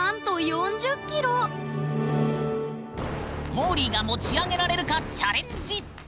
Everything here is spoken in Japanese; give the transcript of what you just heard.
もーりーが持ち上げられるかチャレンジ。